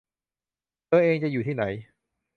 เธอเองจะอยู่ที่ไหน